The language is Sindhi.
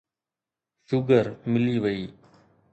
شوگر ملي وئي.